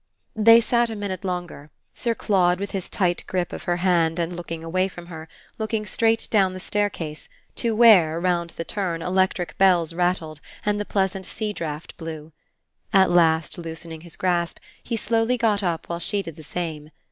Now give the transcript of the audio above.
They sat a minute longer, Sir Claude, with his tight grip of her hand and looking away from her, looking straight down the staircase to where, round the turn, electric bells rattled and the pleasant sea draught blew. At last, loosening his grasp, he slowly got up while she did the same.